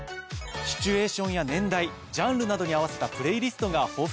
シチュエーションや年代ジャンルなどに合わせたプレイリストが豊富なんですよね。